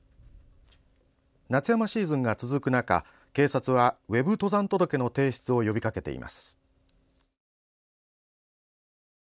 夏山シーズンが続く中警察はＷＥＢ登山届の提出を呼びかけています。